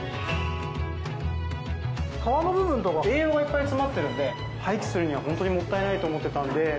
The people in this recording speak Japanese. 皮の部分とか栄養がいっぱい詰まってるので廃棄するにはホントにもったいないと思ってたので。